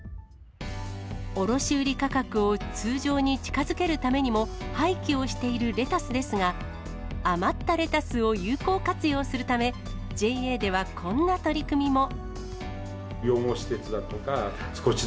卸売り価格を通常に近づけるためにも、廃棄をしているレタスですが、余ったレタスを有効活用するため、ＪＡではこんな取り組みも。